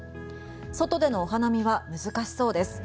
外でのお花見は難しそうです。